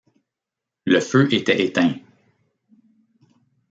Le feu était éteint